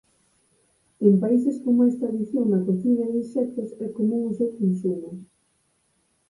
En países con máis tradición na cociña de insectos é común o seu consumo.